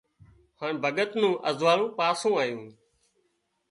هانَ ڀڳت نُون ازوئاۯون پاسُون آيون